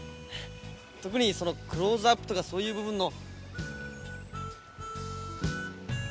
特にそのクローズアップとかそういう部分の。